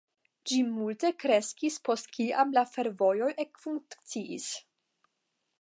Ĝi multe kreskis post kiam la fervojoj ekfunkciis.